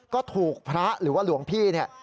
ก็ถูกพระหรือว่าหลวงพี่เนี่ย